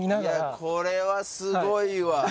これはすごいわ。